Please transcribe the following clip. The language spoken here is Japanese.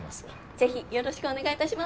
是非よろしくお願い致します。